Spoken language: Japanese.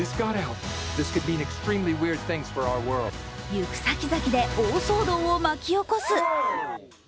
行くさきざきで大騒動を巻き起こす。